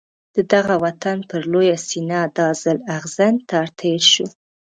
د دغه وطن پر لویه سینه دا ځل اغزن تار تېر شو.